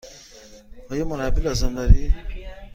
آیا مربی لازم دارید؟